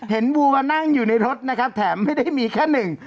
วัวมานั่งอยู่ในรถนะครับแถมไม่ได้มีแค่หนึ่ง